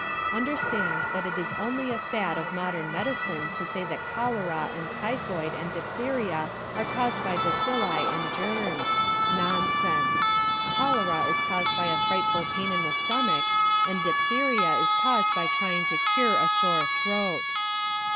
Understand that it is only a fad of modern medicine to say that cholera and typhoid and diphtheria are caused by bacilli and germs; nonsense. Cholera is caused by a frightful pain in the stomach, and diphtheria is caused by trying to cure a sore throat.